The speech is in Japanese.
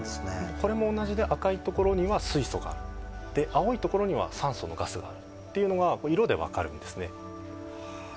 これも同じで赤いところには水素があって青いところには酸素のガスがあるというのが色で分かるんですね。